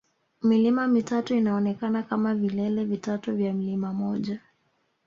Milima mitatu inaonekana kama vilele vitatu vya mlima mmoja